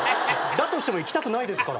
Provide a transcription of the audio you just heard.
だとしても行きたくないですから。